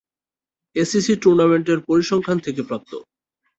ACC টুর্নামেন্টের পরিসংখ্যান থেকে প্রাপ্ত।